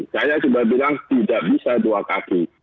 saya sudah bilang tidak bisa dua kaki